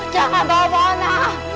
jangan bawa mona